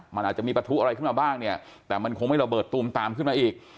มันก็มีประทู้อะไรขึ้นมาบ้างแต่คงไม่ไปเลิฟตูมน้ำอีก